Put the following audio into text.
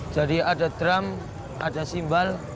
ada drum ada simbal